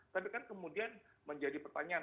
tapi kan kemudian menjadi pertanyaan